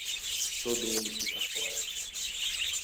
Todo mundo fica fora